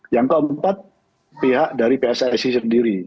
yang keempat pihak dari pssi sendiri